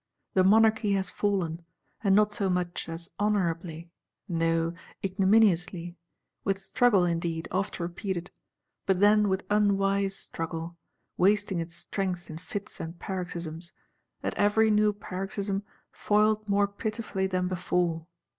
The Monarchy has fallen; and not so much as honourably: no, ignominiously; with struggle, indeed, oft repeated; but then with unwise struggle; wasting its strength in fits and paroxysms; at every new paroxysm, foiled more pitifully than before.